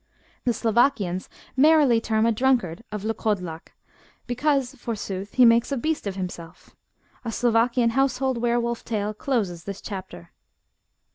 The Slovakiana merrily term a drunkard a vlkodlak, because, forsooth, he makes a beast of himself. A Slovakian household were wolf tale closes this chapter.